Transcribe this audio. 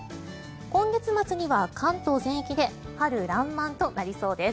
今月末には関東全域で春らんまんとなりそうです。